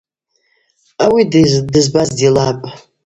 Ауи дызбаз дилапӏ.